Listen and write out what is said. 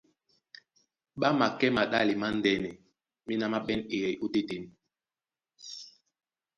Ɓá makɛ́ maɗále mándɛ́nɛ, méná má ɓɛ́n ɓeyɛy ótétěn.